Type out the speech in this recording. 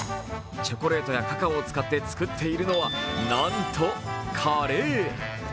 チョコレートやカカオを使って作っているのはなんとカレー。